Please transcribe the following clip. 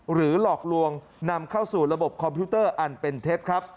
หลอกลวงนำเข้าสู่ระบบคอมพิวเตอร์อันเป็นเท็จครับ